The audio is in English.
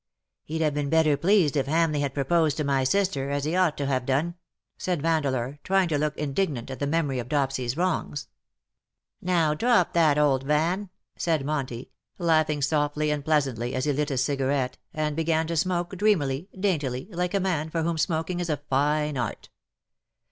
'''^ He'd have been better pleased if Hamleigh had proposed to my sister, as he ought to have done," said Vandeleur, trying to look indignant at the memory of Dopsy's wrongs. r2 68 ^' DUST TO DUST." '^ Now drop that^ old Van/' said Monty, laughing softly and pleasantly, as lie lit his cigarette, and began to smoke, dreamily, daintily, like a man for whom smoking is a fine art.